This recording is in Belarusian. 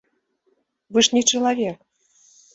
Вы ж не чалавек!